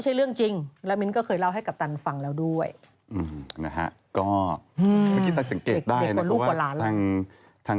โอ้ยยยน้องเค้าก็บอกว่ายอมรับว่าเคยคิดจะเอาน้องออกอะ